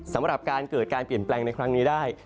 สำหรับการเกิดการเปลี่ยนแปลงในครั้งนี้ได้